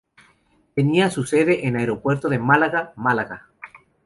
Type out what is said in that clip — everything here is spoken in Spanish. Tenía su sede en Aeropuerto de Málaga, Málaga.